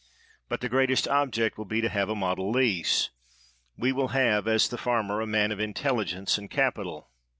But the great object will be to have a model lease. We will have as the farmer a man of intelligence and capital.